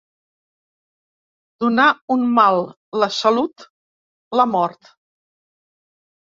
Donar un mal, la salut, la mort.